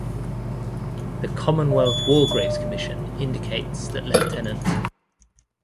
The Commonwealth War Graves Commission indicates that Lieut.